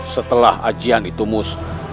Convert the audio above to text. setelah ajihan ditumus